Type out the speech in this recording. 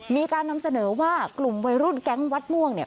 มีการนำเสนอว่ากลุ่มวัยรุ่นแก๊งวัดม่วงเนี่ย